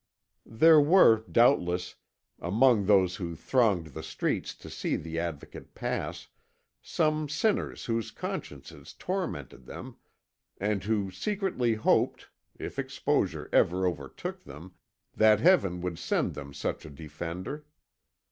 There were, doubtless, among those who thronged the streets to see the Advocate pass, some sinners whose consciences tormented them, and who secretly hoped, if exposure ever overtook them, that Heaven would send them such a defender.